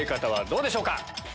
どうでしょうか。